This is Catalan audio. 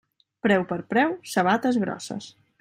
Preu per preu, sabates grosses.